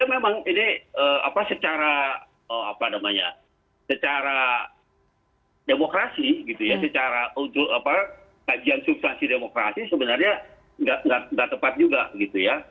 itu memang ini apa secara apa namanya secara demokrasi gitu ya secara untuk apa kajian substansi demokrasi sebenarnya nggak tepat juga gitu ya